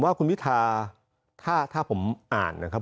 ว่าคุณพิทาถ้าผมอ่านนะครับ